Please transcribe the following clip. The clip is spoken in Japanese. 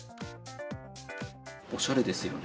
おしゃれですよね。